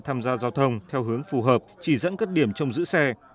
tham gia giao thông theo hướng phù hợp chỉ dẫn các điểm trong giữ xe